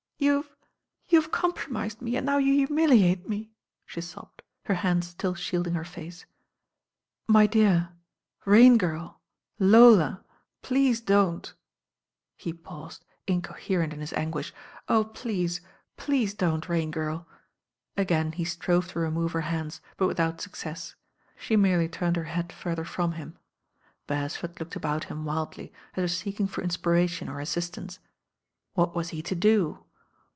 "Ypu've — you've compromised me and now you humiliate me," she sobbed, her hands still shielding her face. "My dear— Rain Girl— Lola— please don't M «76 THE RAIN GIRL He paused, incoherent in his anguish. "Oh, please — ^please don't, Rain Girl." Again he strove to re move her hands, but without success. She merely turned her head further from him. Beresford looked about him wildly, as if seeking for inspiration or assistance. What was he to do?